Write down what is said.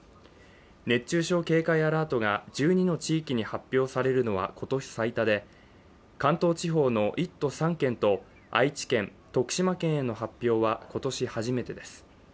熱中症警戒アラートが１２の地域に発表されるのは今年最多で、関東地方の１都３県と愛知県徳島県への発表は今年初めてです。